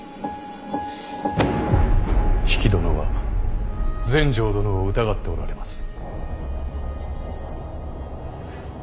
比企殿は全成殿を疑っておられます。